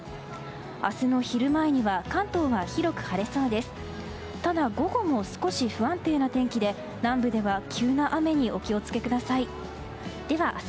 明日の昼前には関東は広く晴れそうです。